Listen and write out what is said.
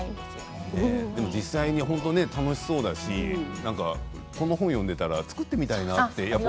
でも楽しそうだしこの本を読んでいたら作ってみたいなと。